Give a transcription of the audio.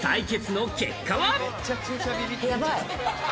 やばい。